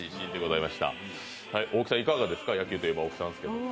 大木さん、いかがですか、野球といえば大木さんですけれども。